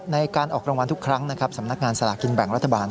ในการออกรางวัลทุกครั้งนะครับสำนักงานสลากินแบ่งรัฐบาล